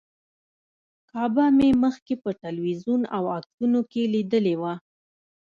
کعبه مې مخکې په تلویزیون او عکسونو کې لیدلې وه.